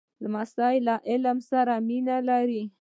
لمسی له علم سره مینه لري.